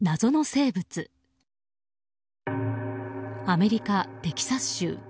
アメリカ・テキサス州。